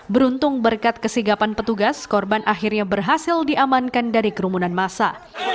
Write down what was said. beruntung berkat kesigapan petugas korban akhirnya berhasil diamankan dari kerumunan masa